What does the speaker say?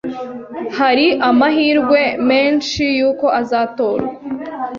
Hari amahirwe menshi yuko azatorwa.